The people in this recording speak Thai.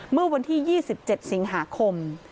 เมื่อวันที่๒๗สิงหาคม